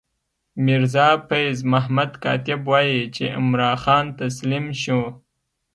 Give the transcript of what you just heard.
میرزا فیض محمد کاتب وايي چې عمرا خان تسلیم شو.